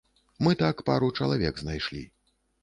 Мы так пару чалавек знайшлі.